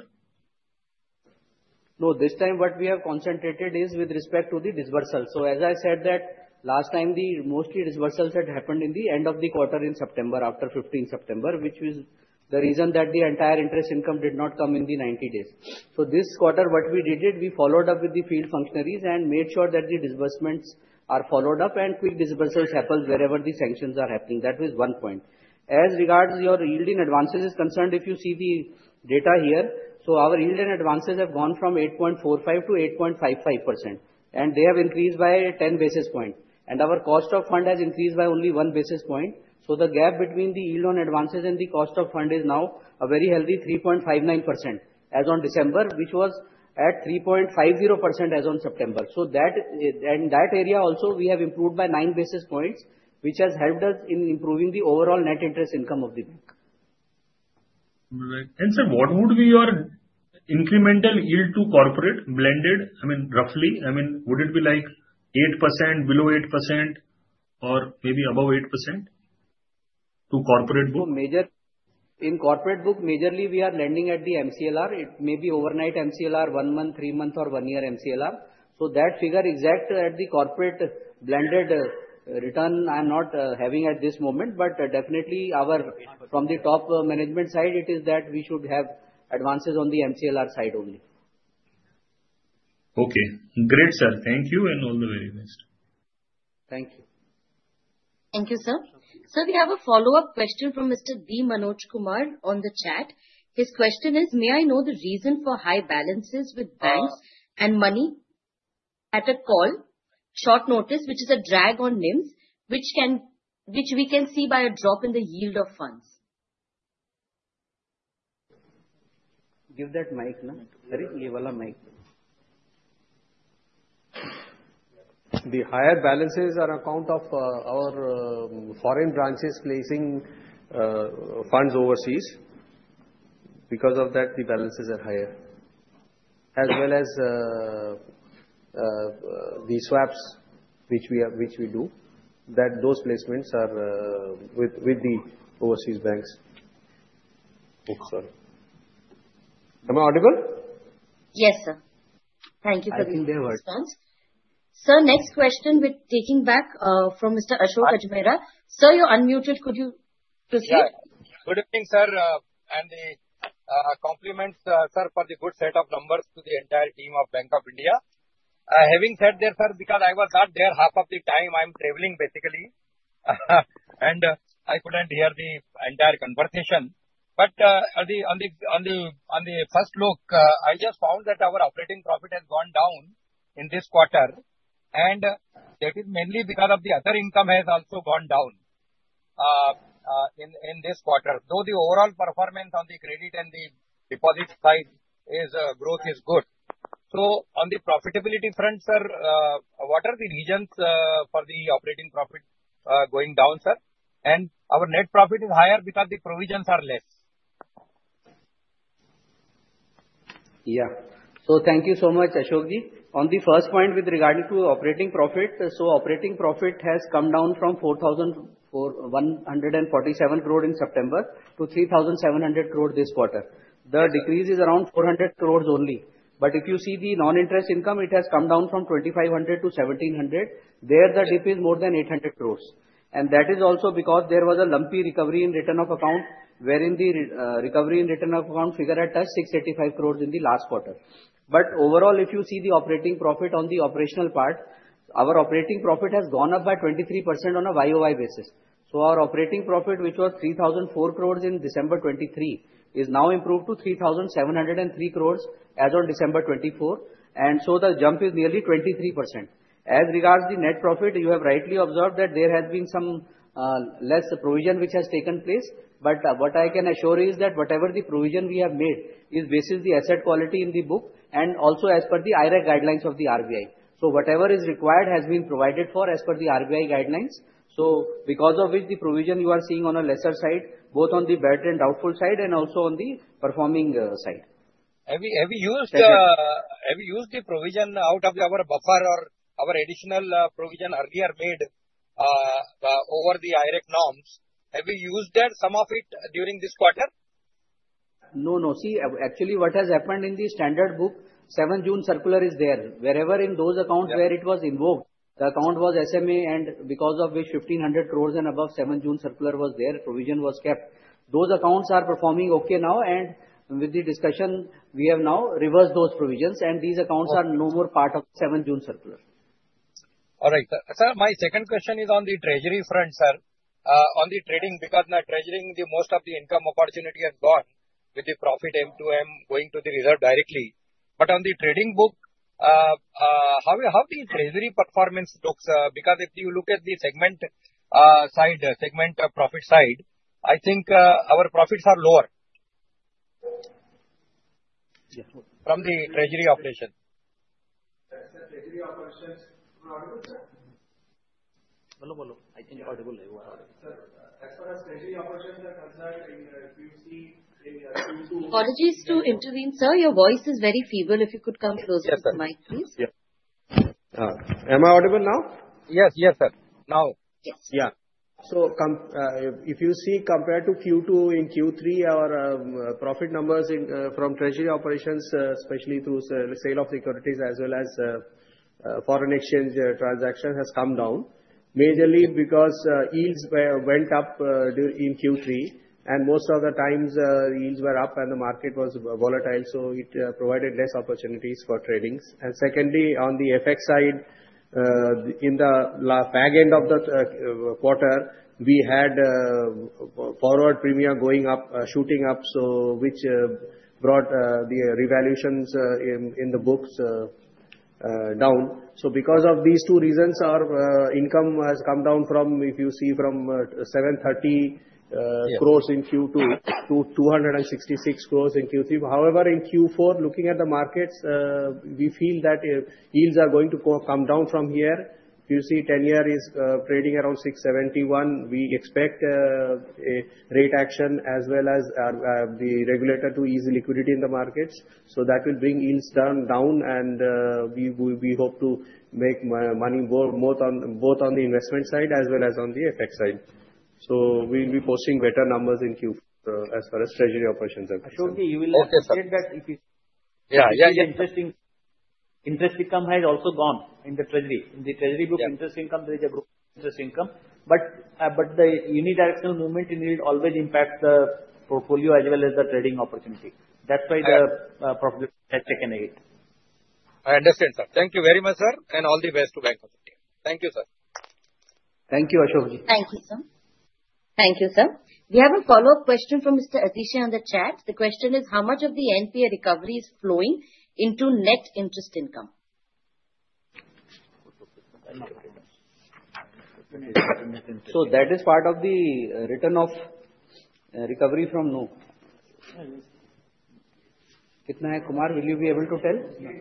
No, this time, what we have concentrated is with respect to the disbursals. So as I said that last time, the mostly disbursals had happened in the end of the quarter in September, after 15 September, which is the reason that the entire interest income did not come in the 90 days. So this quarter, what we did, we followed up with the field functionaries and made sure that the disbursements are followed up and quick disbursals happen wherever the sanctions are happening. That was one point. As regards to your yield in advances is concerned, if you see the data here, so our yield in advances have gone from 8.45%-8.55%. And they have increased by 10 basis points. And our cost of fund has increased by only one basis point. So the gap between the yield on advances and the cost of fund is now a very healthy 3.59% as on December, which was at 3.50% as on September. So in that area also, we have improved by 9 basis points, which has helped us in improving the overall net interest income of the bank. Sir, what would be your incremental yield to corporate blended? I mean, roughly, I mean, would it be like 8%, below 8%, or maybe above 8% to corporate book? In corporate book, majorly we are lending at the MCLR. It may be overnight MCLR, one-month, three-month, or one-year MCLR, so that figure exact at the corporate blended return I'm not having at this moment, but definitely from the top management side, it is that we should have advances on the MCLR side only. Okay. Great, sir. Thank you and all the very best. Thank you. Thank you, sir. Sir, we have a follow-up question from Mr. B. Manoj Kumar on the chat. His question is, may I know the reason for high balances with banks and Money at Call, short notice, which is a drag on NIMs, which we can see by a drop in the yield of funds? Give that mic. The higher balances are on account of our foreign branches placing funds overseas. Because of that, the balances are higher. As well as the swaps which we do, those placements are with the overseas banks. Am I audible? Yes, sir. Thank you for the response. Sir, next question taking back from Mr. Ashok Ajmera. Sir, you're unmuted. Could you proceed? Good evening, sir. And compliments, sir, for the good set of numbers to the entire team of Bank of India. Having said that, sir, because I was not there half of the time, I'm traveling basically, and I couldn't hear the entire conversation. But on the first look, I just found that our operating profit has gone down in this quarter. And that is mainly because of the other income has also gone down in this quarter. Though the overall performance on the credit and the deposit side, the growth is good. So on the profitability front, sir, what are the reasons for the operating profit going down, sir? And our net profit is higher because the provisions are less. Yeah. So thank you so much, Ashok ji. On the first point with regard to operating profit, operating profit has come down from 4,147 crores in September to 3,700 crores this quarter. The decrease is around 400 crores only. But if you see the non-interest income, it has come down from 2,500-1,700. There the dip is more than 800 crores. And that is also because there was a lumpy recovery in written- off account, wherein the recovery in written- off account figure was 685 crores in the last quarter. But overall, if you see the operating profit on the operational part, our operating profit has gone up by 23% on a YoY basis. Our operating profit, which was 3,004 crores in December 2023, is now improved to 3,703 crores as on December 2024. And so the jump is nearly 23%. As regards the net profit, you have rightly observed that there has been some less provision which has taken place. But what I can assure is that whatever the provision we have made is based on the asset quality in the book and also as per the IRAC guidelines of the RBI. So whatever is required has been provided for as per the RBI guidelines. So because of which the provision you are seeing on a lesser side, both on the bad and doubtful side and also on the performing side. Have we used the provision out of our buffer or our additional provision earlier made over the IRAC norms? Have we used that some of it during this quarter? No, no. See, actually what has happened in the standard book, 7th June circular is there. Wherever in those accounts where it was involved, the account was SMA and because of which 1,500 crores and above 7th June circular was there, provision was kept. Those accounts are performing okay now, and with the discussion, we have now reversed those provisions and these accounts are no more part of 7th June circular. All right. Sir, my second question is on the treasury front, sir. On the trading, because now treasury, the most of the income opportunity has gone with the profit M2M going to the reserve directly. But on the trading book, how the treasury performance looks? Because if you look at the segment side, segment profit side, I think our profits are lower from the treasury operation. Hello, hello. I think audible. Sir, as far as treasury operations are concerned, if you see in Q2. Apologies to intervene, sir. Your voice is very feeble. If you could come closer to the mic, please. Am I audible now? Yes, yes, sir. Now. Yes. Yeah. So if you see, compared to Q2 in Q3, our profit numbers from treasury operations, especially through sale of securities as well as foreign exchange transactions, has come down. Majorly because yields went up in Q3. And most of the times, yields were up and the market was volatile. So it provided less opportunities for trading. And secondly, on the FX side, in the back end of the quarter, we had forward premia going up, shooting up, which brought the revaluations in the books down. So because of these two reasons, our income has come down from, if you see, from 730 crores in Q2 to 266 crores in Q3. However, in Q4, looking at the markets, we feel that yields are going to come down from here. If you see, 10-year is trading around 6.71. We expect rate action as well as the regulator to ease liquidity in the markets. So that will bring yields down. And we hope to make money both on the investment side as well as on the FX side. So we will be posting better numbers in Q4 as far as treasury operations are concerned. You will get that. Interest income has also gone in the treasury. In the treasury book, interest income, there is a group interest income. But the unidirectional movement in yield always impacts the portfolio as well as the trading opportunity. That's why the profit section has taken a hit. I understand, sir. Thank you very much, sir. And all the best to Bank of India. Thank you, sir. Thank you, Ashok ji. Thank you, sir. Thank you, sir. We have a follow-up question from Mr. Atish on the chat. The question is, how much of the NPA recovery is flowing into net interest income? So that is part of the written-off recovery from Kumar, will you be able to tell?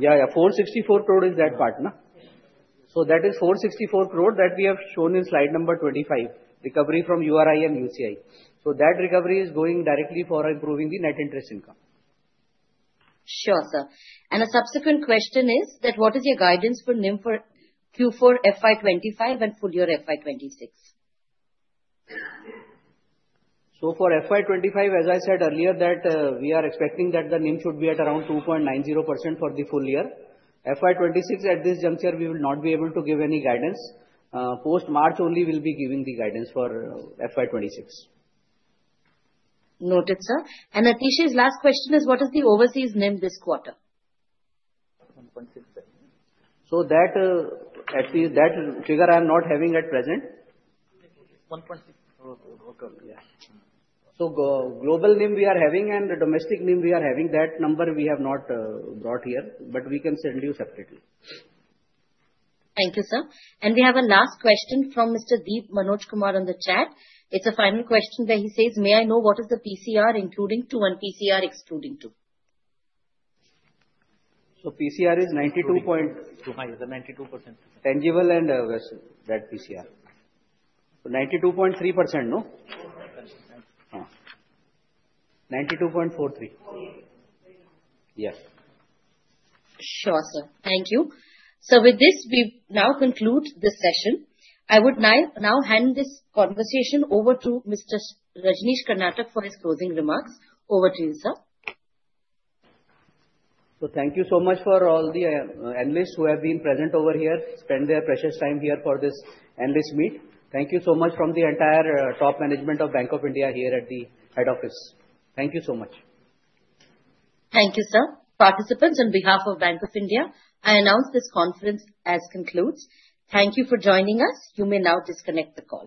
Yeah, yeah. 464 crore is that part, no? So that is 464 crore that we have shown in slide number 25, recovery from URI and UCI. So that recovery is going directly for improving the net interest income. Sure, sir. And a subsequent question is that what is your guidance for NIM for Q4 FY25 and full year FY26? For FY25, as I said earlier, that we are expecting that the NIM should be at around 2.90% for the full year. FY26, at this juncture, we will not be able to give any guidance. Post-March only we will be giving the guidance for FY26. Noted, sir. And Atish's last question is, what is the overseas NIM this quarter? So that figure I am not having at present. So global NIM we are having and domestic NIM we are having. That number we have not brought here, but we can send you separately. Thank you, sir. And we have a last question from Mr. B. Manoj Kumar on the chat. It's a final question where he says, "May I know what is the PCR including TWO and PCR excluding TWO? So, PCR is 92.3%. Technical and that PCR. So, 92.3%, no? 92.43. Yeah. Sure, sir. Thank you. So with this, we now conclude this session. I would now hand this conversation over to Mr. Rajneesh Karnatak for his closing remarks. Over to you, sir. So, thank you so much for all the analysts who have been present over here, spend their precious time here for this analyst meet. Thank you so much, from the entire top management of Bank of India here at the head office. Thank you so much. Thank you, sir. Participants, on behalf of Bank of India, I announce this conference as concluded. Thank you for joining us. You may now disconnect the call.